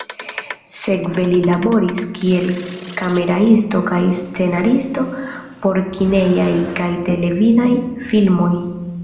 Sekve li laboris kiel kameraisto kaj scenaristo por kinejaj kaj televidaj filmoj.